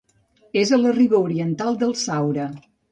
És a la riba oriental del Saura.